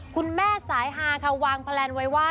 คุณแม่สายฮาค่ะวางแพลนไว้ว่า